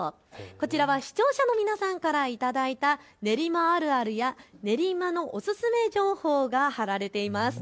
こちらは視聴者の皆さんから頂いた練馬あるあるや練馬のお薦め情報が貼られています。